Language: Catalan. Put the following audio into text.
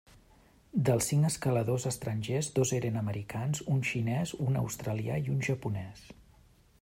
Dels cinc escaladors estrangers dos eren americans, un xinès, un australià i un japonès.